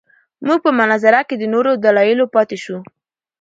موږ په مناظره کې له نورو دلایلو پاتې شوو.